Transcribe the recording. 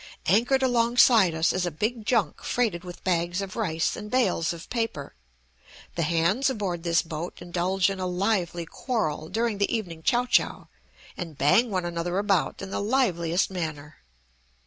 Anchored alongside us is a big junk freighted with bags of rice and bales of paper; the hands aboard this boat indulge in a lively quarrel, during the evening chow chow, and bang one another about in the liveliest manner.